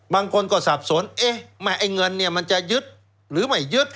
บางคนก็สับสนไอ้เงินเนี่ยมันจะยึดหรือไม่ยึด